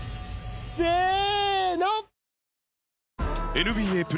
せーの！